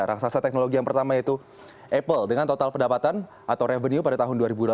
raksasa teknologi yang pertama yaitu apple dengan total pendapatan atau revenue pada tahun dua ribu delapan belas